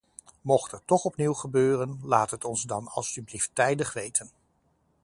Mocht het toch opnieuw gebeuren, laat het ons dan alstublieft tijdig weten!